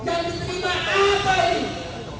yang diterima apa ini